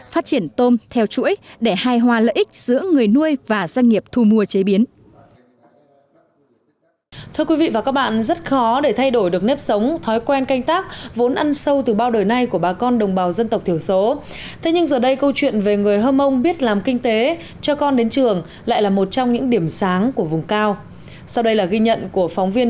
phát triển tôm theo chuỗi để hài hòa lợi ích giữa người nuôi và doanh nghiệp thu mua chế biến